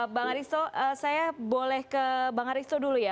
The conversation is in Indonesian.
bang aristo saya boleh ke bang aristo dulu ya